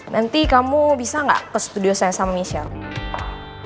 nanti kamu bisa nggak ke studio saya sama michelle